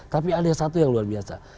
tapi ada satu yang luar biasa